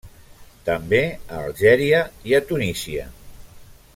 També a Algèria i a Tunísia.